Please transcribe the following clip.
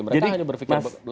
mereka hanya berpikir berlainan